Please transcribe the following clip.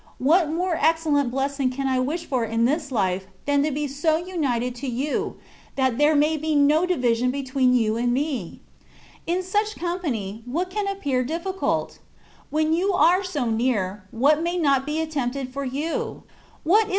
what more excellent bless ing can I wish for in this life, than to be so united to You, that there may be no division between You and me ? Li such company, what can appear difficult? When You are so near, what may not be attempted for You? What ii CONCEPTIONS OF DIVINE LOVE.